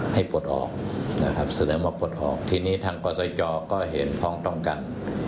ให้ปลดออกที่นี้ทางกษจก็เห็นพร้อมต้องกัน